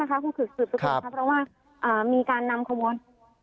คุณผู้คือศูนย์ทุกคนเพราะว่ามีการนำขวน